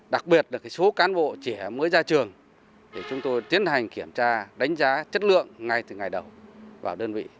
đặc biệt là số cán bộ trẻ mới ra trường để chúng tôi tiến hành kiểm tra đánh giá chất lượng ngay từ ngày đầu vào đơn vị